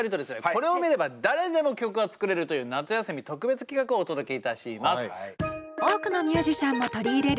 これを見れば誰でも曲が作れるという夏休み特別企画をお届けいたします！